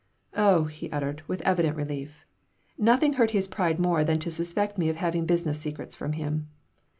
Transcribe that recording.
"Oh!" he uttered, with evident relief. Nothing hurt his pride more than to suspect me of having business secrets from him.